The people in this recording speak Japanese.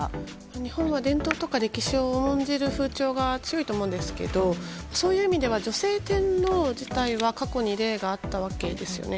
日本は伝統とか歴史を重んじる風潮が強いと思うんですけどそういう意味では女性天皇自体は過去に例があったわけですよね。